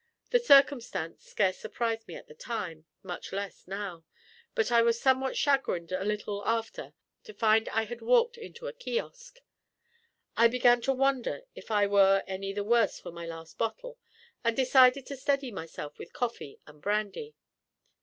The circumstance scarce surprised me at the time, much less now; but I was somewhat chagrined a little after to find I had walked into a kiosque. I began to wonder if I were any the worse for my last bottle, and decided to steady myself with coffee and brandy.